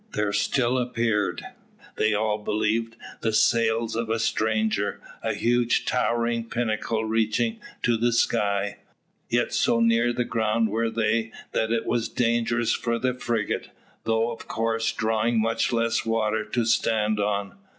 There still appeared, they all believed, the sails of the stranger, a huge towering pinnacle reaching to the sky. Yet so near the ground were they that it was dangerous for the frigate, though of course drawing much less water, to stand on.